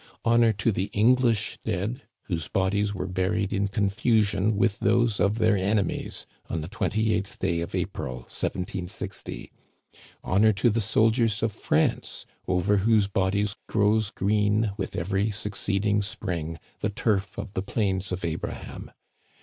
Honor to the English dead, whose bodies were buried in confusion with those of their enemies on the twenty eighth day of April, 1760! Honor to the soldiers of France, over whose bodies grows green, with every succeeding spring, the turf of the Plains of Abraham